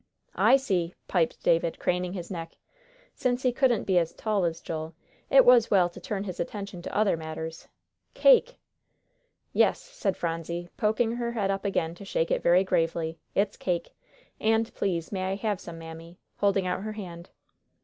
"I see," piped David, craning his neck. Since he couldn't be as tall as Joel, it was well to turn his attention to other matters. "Cake!" "Yes," said Phronsie, poking her head up again to shake it very gravely, "it's cake. And please may I have some, Mammy?" holding out her hand.